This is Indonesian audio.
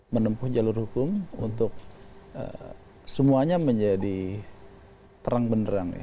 menempuh jalur hukum untuk semuanya menjadi terang beneran